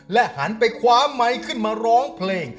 หันไปคว้าไมค์ขึ้นมาร้องเพลง